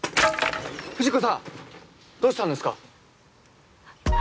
藤子さんどうしたんですか？